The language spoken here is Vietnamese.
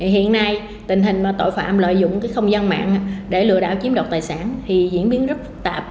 hiện nay tình hình tội phạm lợi dụng không gian mạng để lừa đảo chiếm đoạt tài sản diễn biến rất phức tạp